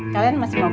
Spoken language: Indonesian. kalian masih mau pari